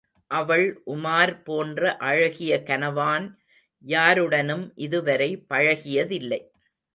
அவள் உமார் போன்ற அழகிய கனவான் யாருடனும் இதுவரை பழகியதில்லை.